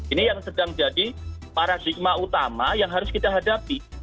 ini yang sedang jadi paradigma utama yang harus kita hadapi